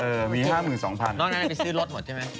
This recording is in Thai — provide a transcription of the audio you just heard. เออมีห้าหมื่นสองพันนอกนั้นมันไปซื้อรถหมดใช่ไหม